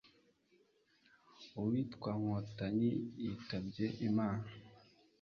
Uwitwa Nkotanyi yitabye imana